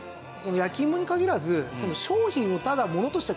焼き芋に限らず。